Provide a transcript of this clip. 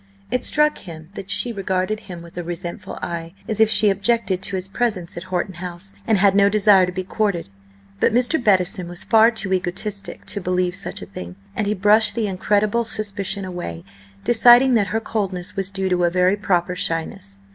It struck him that she regarded him with a resentful eye, as if she objected to his presence at Horton House, and had no desire to be courted. But Mr. Bettison was far too egotistic to believe such a thing, and he brushed the incredible suspicion away, deciding that her coldness was due to a very proper shyness.